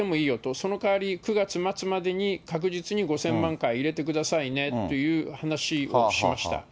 その代わり、９月末までに確実に５０００万回入れてくださいねという話をしました。